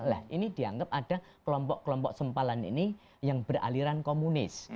nah ini dianggap ada kelompok kelompok sempalan ini yang beraliran komunis